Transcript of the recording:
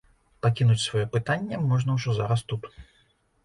Пакінуць сваё пытанне можна ўжо зараз тут.